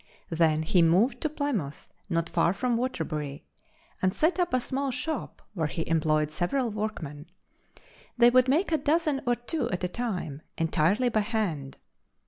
Then he moved to Plymouth, not far from Waterbury, and set up a small shop where he employed several workmen. They would make a dozen or two at a time, entirely by hand.